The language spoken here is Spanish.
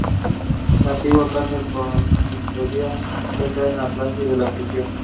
La antigua casa consistorial está en la placilla de la prisión.